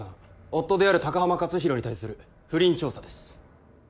夫である高濱勝広に対する不倫調査です。